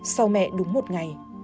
sau mẹ đúng một ngày